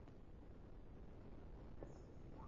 "Long Haired Country Boy" was a minor hit in that year.